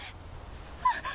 あっ。